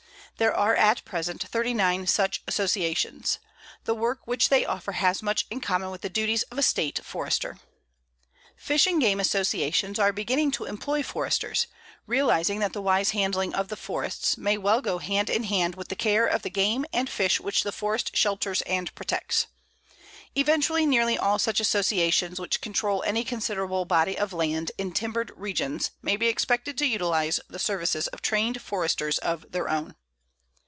There are at present 39 such associations. The work which they offer has much in common with the duties of a State Forester. Fish and game associations are beginning to employ Foresters, realizing that the wise handling of the forests may well go hand in hand with the care of the game and fish which the forest shelters and protects. Eventually nearly all such associations which control any considerable body of land in timbered regions may be expected to utilize the services of trained Foresters of their own.